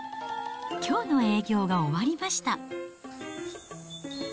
きょうの営業が終わりました。